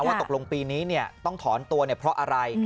ว่าตกลงปีนี้เนี่ยต้องถอนตัวเนี่ยเพราะอะไร